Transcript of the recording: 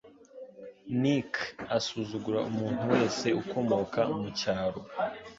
Nick asuzugura umuntu wese ukomoka mucyaro